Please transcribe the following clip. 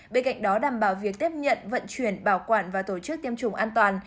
bên cạnh đó đảm bảo việc tiếp nhận vận chuyển bảo quản và tổ chức tiêm chủng an toàn